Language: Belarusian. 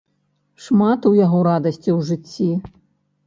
Шмат у яго радасці ў жыцці?